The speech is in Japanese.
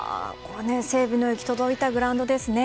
整備の行き届いたグランドですね。